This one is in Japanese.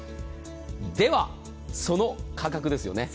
では、その価格ですよね。